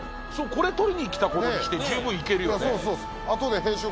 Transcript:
これ撮りに来たことにして十分行けるよね。